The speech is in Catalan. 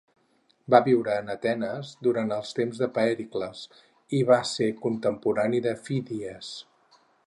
Va viure en Atenes durant els temps de Pèricles, i va ser contemporani de Fídies.